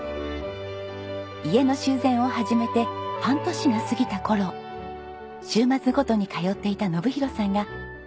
家の修繕を始めて半年が過ぎた頃週末ごとに通っていた信博さんが突然会社を退職。